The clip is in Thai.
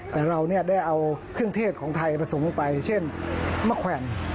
แต่เราได้เอาเครื่องเทศของไทยผสมลงไปเช่นมะแขวน